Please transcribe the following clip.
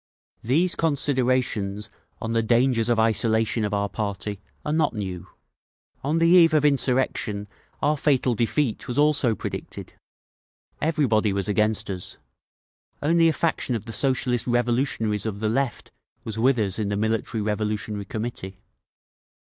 "These considerations on the dangers of isolation of our party are not new. On the eve of insurrection our fatal defeat was also predicted. Everybody was against us; only a faction of the Socialist Revolutionaries of the left was with us in the Military Revolutionary Committee.